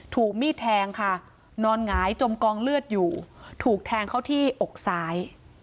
ถูกมีดแทงค่ะนอนหงายจมกองเลือดอยู่ถูกแทงเข้าที่อกซ้าย